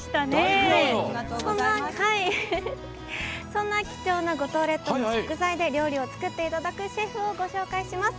そんな貴重な五島列島の食材で料理を作っていただくシェフをご紹介します。